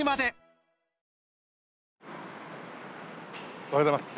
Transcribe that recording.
おはようございます。